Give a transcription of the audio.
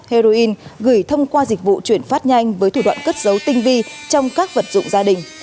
heroin gửi thông qua dịch vụ chuyển phát nhanh với thủ đoạn cất dấu tinh vi trong các vật dụng gia đình